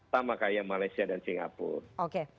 sama kayak malaysia dan singapura